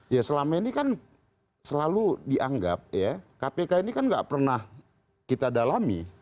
ya selama ini kan selalu dianggap ya kpk ini kan nggak pernah kita dalami